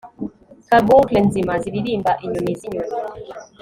carbuncle nzima ziririmba inyoni zinyoni